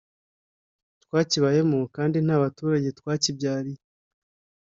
Twakibayemo kandi nta baturage twakibyariye